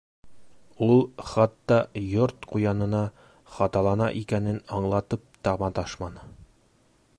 Ул хатта Йорт ҡуянына хаталана икәнен аңлатып та маташманы.